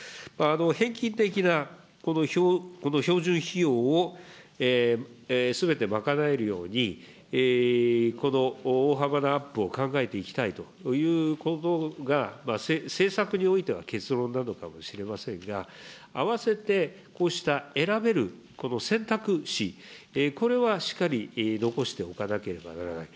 平均的なこの標準費用をすべて賄えるように、この大幅なアップを考えていきたいということが、政策においては結論なのかもしれませんが、併せてこうした選べる選択肢、これはしっかり残しておかなければならない。